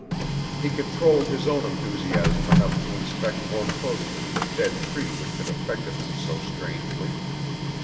He controlled his own enthusiasm enough to inspect more closely the dead tree which had affected them so strangely.